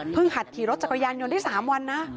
หัดขี่รถจักรยานยนต์ได้๓วันนะ